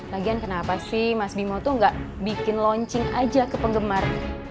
lagian kenapa sih mas bimo tuh gak bikin launching aja ke penggemar